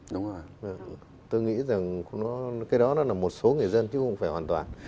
đúng rồi tôi nghĩ rằng cái đó là một số người dân chứ không phải hoàn toàn